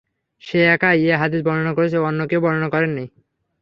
সে একাই এ হাদীস বর্ণনা করেছে, অন্য কেউ বর্ণনা করেননি।